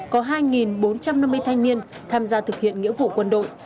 có hai bốn trăm năm mươi thanh niên tham gia thực hiện nghĩa vụ quân đội